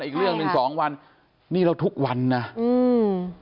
อีกเรื่องหนึ่งสองวันนี่เราทุกวันนะอืม